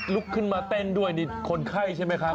ลุกขึ้นมาเต้นด้วยนี่คนไข้ใช่ไหมครับ